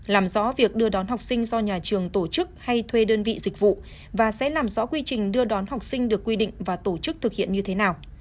làm rõ việc đưa đón học sinh do nhà trường tổ chức hay thuê đơn vị dịch vụ và sẽ làm rõ quy trình đưa đón học sinh được quy định và tổ chức thực hiện như thế nào